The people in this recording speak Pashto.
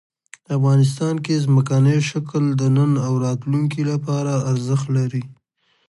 افغانستان کې ځمکنی شکل د نن او راتلونکي لپاره ارزښت لري.